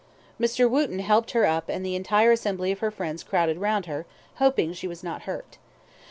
Mr. Wootten helped her up and the entire assembly of her friends crowded round her, hoping she was not hurt.